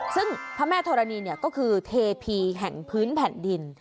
ซึ่งพระแม่ธรณีก็คือเทพีแห่งพื้นแผ่นดิน